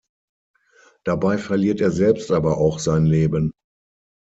Dabei verliert er selbst aber auch sein Leben.